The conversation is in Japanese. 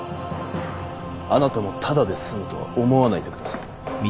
あなたもただで済むとは思わないでください。